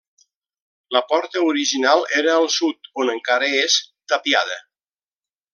La porta original era al sud, on encara és, tapiada.